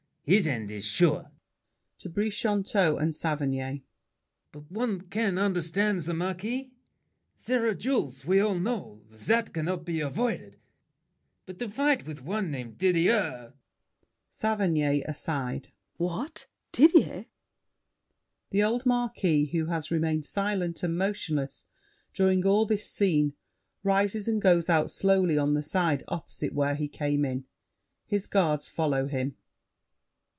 His end is sure. [To Brichanteau and Saverny. But can one understand The Marquis? There are duels, we all know, That cannot be avoided, but to fight With any one named Didier— SAVERNY (aside). What? Didier? [The old Marquis, who has remained silent and motionless during all this scene, rises and goes out slowly on the side opposite where he came in. His guards follow him.